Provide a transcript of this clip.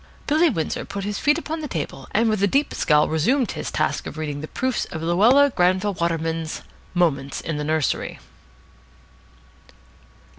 Billy Windsor put his feet upon the table, and with a deep scowl resumed his task of reading the proofs of Luella Granville Waterman's "Moments in the Nursery."